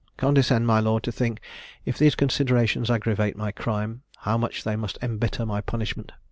Condescend, my lord, to think, if these considerations aggravate my crime, how much they must embitter my punishment!